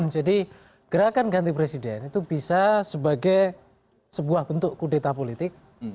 gerakan ganti presiden itu bisa sebagai sebuah bentuk kudeta politik